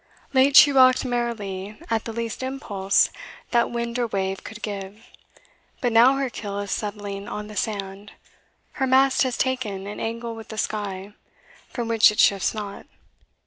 Late she rocked merrily at the least impulse That wind or wave could give; but now her keel Is settling on the sand, her mast has ta'en An angle with the sky, from which it shifts not.